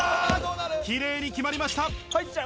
きれいに決まりました。